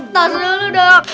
tas dulu dok